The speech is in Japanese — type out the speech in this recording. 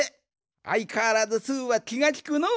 あいかわらずスーはきがきくのう。